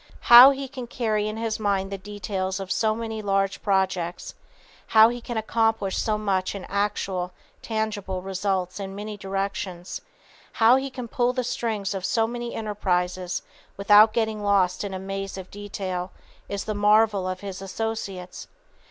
How he can carry in his mind the details of so many large projects, how he can accomplish so much in actual, tangible results in many directions, how he can pull the strings of so many enterprises without getting lost in the maze of detail, is the marvel of his associates.